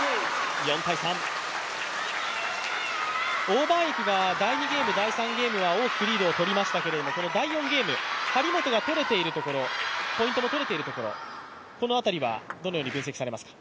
王曼イクが第２ゲーム第３ゲームは大きくリードをとりましたがこの第４ゲーム、張本がポイントを取れているところこの辺りはどのように分析されますか？